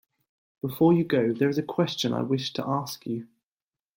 Before you go, there is a question I wish to ask you.